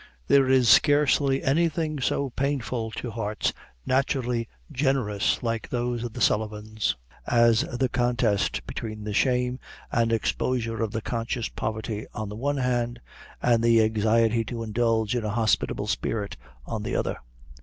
There is scarcely anything so painful to hearts naturally generous, like those of the Sullivans, as the contest between the shame and exposure of the conscious poverty on the one hand, and the anxiety to indulge in a hospitable spirit on the other.